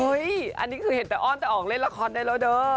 อันนี้คือเห็นแต่อ้อนแต่ออกเล่นละครได้แล้วเด้อ